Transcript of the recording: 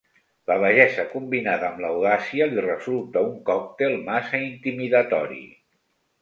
La bellesa combinada amb l'audàcia li resulta un còctel massa intimidatori.